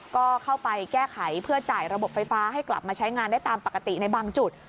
ก็เข้าไปแก้ไขเพื่อจ่ายระบบไฟฟ้าให้กลับมาใช้งานได้ตามปกติในบางจุด